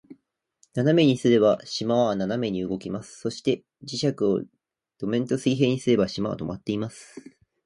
斜めにすれば、島は斜めに動きます。そして、磁石を土面と水平にすれば、島は停まっています。